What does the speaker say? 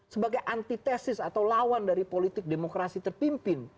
sebagai antitesis atau lawan dari politik demokrasi terpimpin